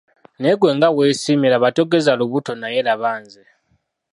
Naye gwe nga weesiimye laba togezza lubuto naye laba nze.